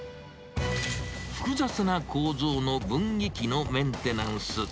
複雑な構造の分岐器のメンテナンス。